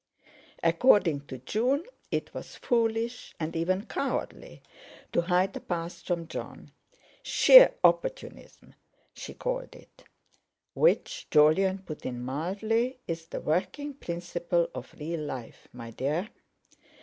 According to June, it was foolish and even cowardly to hide the past from Jon. Sheer opportunism, she called it. "Which," Jolyon put in mildly, "is the working principle of real life, my dear."